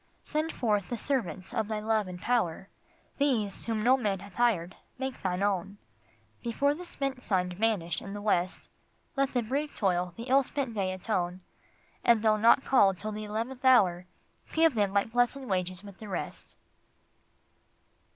Send forth the servants of Thy love and power, These whom no man hath hired make Thine own. Before the spent sun vanish in the west Let the brief toil the ill spent day atone, And though not called till the eleventh hour, Give them like blessed wages with the rest.